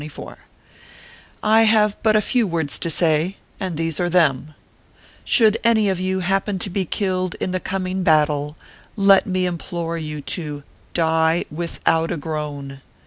I have but few words to say, and these are them : Should 140 ORPHEUS C. KERR PAPERS. any of you happen to be killed in the coming battle, let me implore you to Die without a groan.